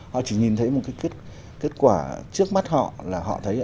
họ chỉ nhìn thấy một cái kết quả trước mắt họ là họ thấy